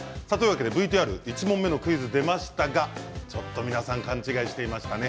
ＶＴＲ１問目のクイズ出ましたがちょっと皆さん勘違いしていましたね。